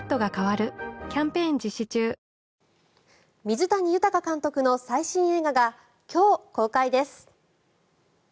水谷豊監督の最新映画が今日、公開です。